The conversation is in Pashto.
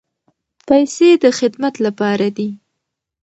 پیسې د خدمت لپاره دي.